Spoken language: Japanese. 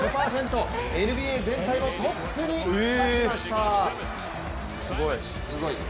ＮＢＡ全体のトップに立ちました。